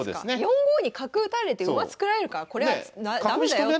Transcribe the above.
４五に角打たれて馬作られるからこれは駄目だよって。